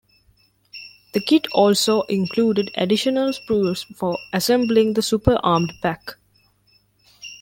The kit also included additional sprues for assembling the Super Armed Pack.